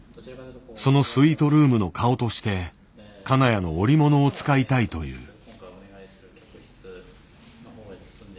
そのスイートルームの顔として金谷の織物を使いたいという。